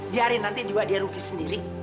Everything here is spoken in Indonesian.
biarin nanti juga dia rookie sendiri